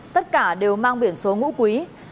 tất cả đều mang biển số ngũ quý